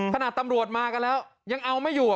ตำรวจมากันแล้วยังเอาไม่อยู่